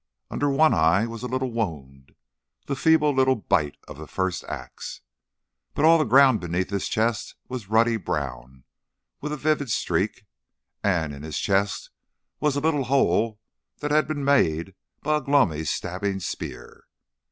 Under one eye was a little wound, the feeble little bite of the first axe. But all the ground beneath his chest was ruddy brown with a vivid streak, and in his chest was a little hole that had been made by Ugh lomi's stabbing spear.